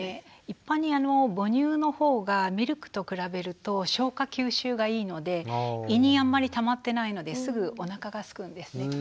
一般に母乳のほうがミルクと比べると消化吸収がいいので胃にあんまりたまってないのですぐおなかがすくんですね。